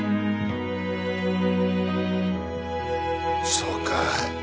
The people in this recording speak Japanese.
そうか。